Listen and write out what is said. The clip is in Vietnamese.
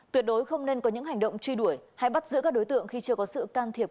tuyệt đối không nên có những hành động truy đuổi hay bắt giữ các đối tượng khi chưa có sự can thiệp